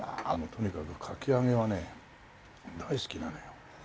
とにかくかき揚げはね大好きなのよ。